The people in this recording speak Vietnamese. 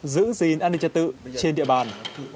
giữ gìn an ninh trật tự trên địa bàn